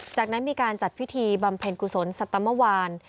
จากนั้นมีการจัดพิธีบำเพ็ญกุศลสัตมวาน